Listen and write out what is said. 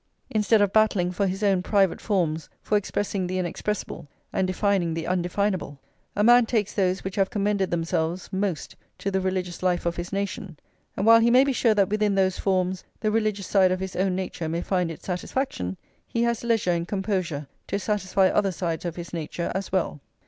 Instead of battling for his own private forms for expressing the inexpressible and defining the undefinable, a man takes those which have commended themselves most to the religious life of his nation; and while he may be sure that within those forms the religious side of his own nature may find its satisfaction, he has leisure and composure to satisfy other sides of his nature as well.